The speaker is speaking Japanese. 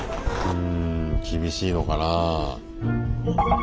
うん厳しいのかなぁ。